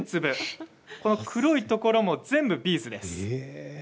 黒いところも全部ビーズです。